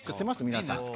皆さん。